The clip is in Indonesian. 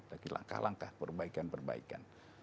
tapi langkah langkah perbaikan perbaikan